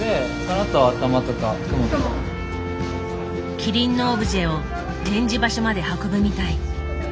麒麟のオブジェを展示場所まで運ぶみたい。